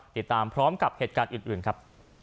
ติดตามพร้อมกับเหตุการณ์อื่นครับ